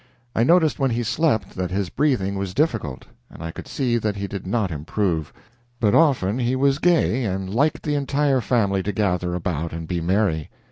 I noticed when he slept that his breathing was difficult, and I could see that he did not improve, but often he was gay and liked the entire family to gather about and be merry.